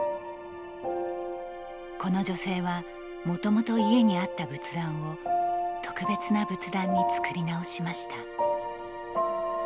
この女性はもともと家にあった仏壇を特別な仏壇に作り直しました。